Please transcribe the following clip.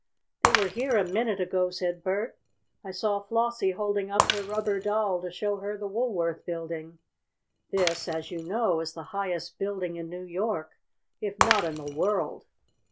"They were here a minute ago," said Bert. "I saw Flossie holding up her rubber doll to show her the Woolworth Building." This, as you know, is the highest building in New York, if not in the world.